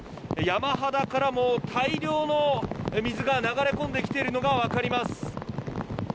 山肌からも大量の水が流れ込んできているのが分かります。